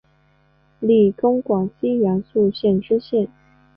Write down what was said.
历官广西阳朔县知县。